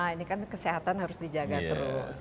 ini kan kesehatan harus dijaga terus